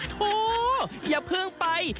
ทู้อย่าพึ่งไป